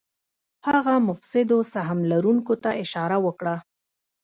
هغه مفسدو سهم لرونکو ته اشاره وکړه.